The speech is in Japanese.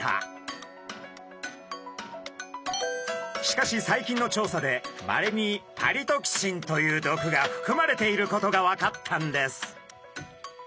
しかし最近の調査でまれにパリトキシンという毒がふくまれていることが分かったんです。